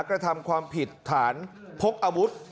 กระทำความผิดฐานพกอาวุธ